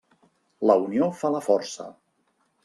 La unió fa la força.